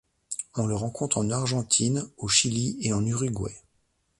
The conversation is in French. On le rencontre en Argentine, au Chili, et en Uruguay.